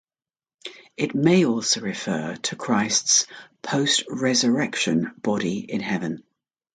It may also refer to Christ's post-resurrection body in Heaven.